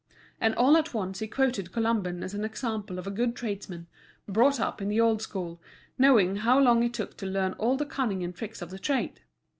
And all at once he quoted Colomban as an example of a good tradesman, brought up in the old school, knowing how long it took to learn all the cunning and tricks of the trade.